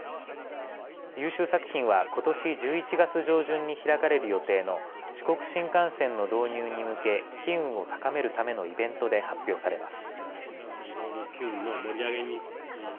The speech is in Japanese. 優秀作品は、ことし１１月上旬に開かれる予定の四国新幹線の導入に向け機運を高めるためのイベントで発表されます。